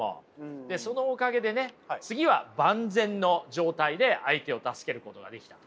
でそのおかげでね次は万全の状態で相手を助けることができたと。